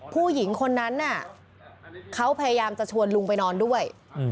ผู้หญิงคนนั้นน่ะเขาพยายามจะชวนลุงไปนอนด้วย